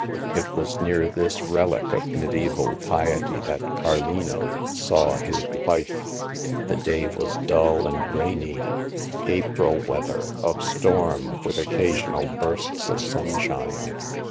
It was near this relic of medieval piety that Carlino saw his wife. The day was dull and rainy — ^April weather, of storm, with occasional bursts of sunshine.